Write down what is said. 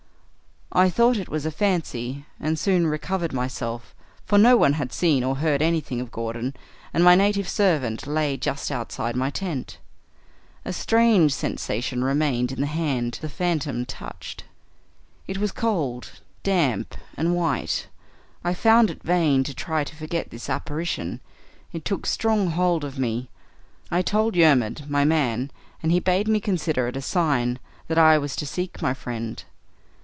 "I thought it was a fancy, and soon recovered myself, for no one had seen or heard anything of Gordon, and my native servant lay just outside my tent. A strange sensation remained in the hand the phantom touched. It was cold, damp, and white. I found it vain to try to forget this apparition; it took strong hold of me; I told Yermid, my man, and he bade me consider it a sign that I was to seek my friend.